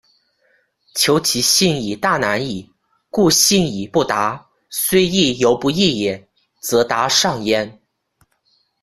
求其信已大难矣，顾信矣不达，虽译犹不译也，则达尚焉。